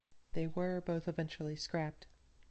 They were both eventually scrapped.